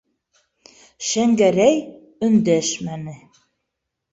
Шәңгәрәй өндәшмәне.